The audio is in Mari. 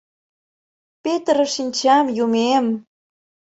Петыре шинчам, Юмем